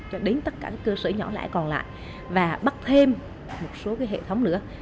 cho đến tất cả các cơ sở nhỏ lẻ còn lại và bắt thêm một số hệ thống nữa